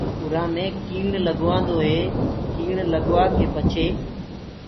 اُرآ مي ڪيڻ لگوآدو ئي ڪيڻ لگوآڪي پڇي